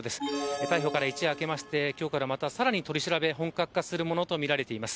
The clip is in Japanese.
逮捕から一夜明けまして今日からさらに取り調べ本格化するものとみられます。